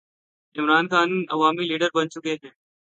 عمران خان عوامی لیڈر بن چکے ہیں۔